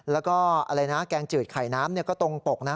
แล้วก็แกงจืดไข่น้ำก็ตรงปกนะ